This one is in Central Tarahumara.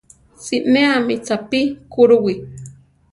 Sineámi chápi kurúwi.